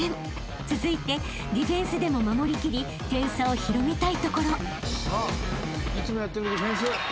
［続いてディフェンスでも守り切り点差を広げたいところ］